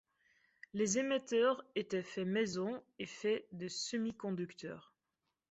Les émetteurs étaient fait maison et fait de semi-conducteurs.